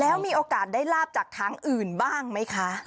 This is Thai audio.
แล้วมีโอกาสได้ลาบจากทางอื่นบ้างไหมคะ